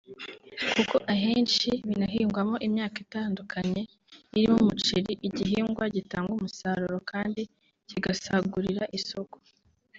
kuko ahenshi binahingwamo imyaka itandukanye irimo umuceri (igihingwa gitanga umusaruro kandi kigasagurira isoko)